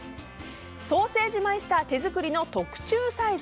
ソーセージマイスター手作りの特注サイズ！